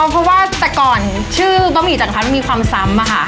เพราะว่าแต่ก่อนชื่อบะหมี่จักรพัดมีความซ้ำอะค่ะ